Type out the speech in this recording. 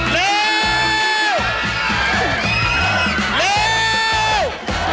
เร็ว